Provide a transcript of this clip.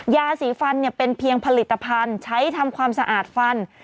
ยาสีฟันเป็นเพียงผลิตภัณฑ์ใช้ทำความสะอาดฟัน